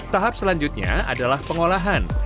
tahap selanjutnya adalah pengolahan